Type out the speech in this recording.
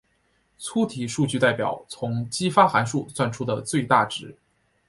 粗体数据代表从激发函数算出的最大值。